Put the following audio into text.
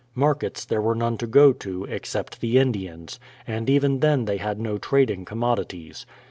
Markets there were none to go to, except the Indians; and even then they had no trading commodities.